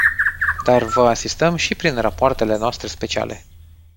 Dar vă asistăm și prin rapoartele noastre speciale.